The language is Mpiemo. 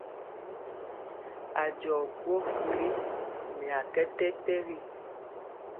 A jɔ gwɔ kuli nɛ a kɛ tɛtɛgi.